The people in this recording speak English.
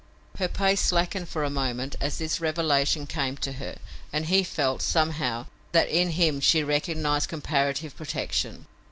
Her pace slackened for a moment as this revelation came to her, and he felt, somehow, that in him she recognized comparative protection.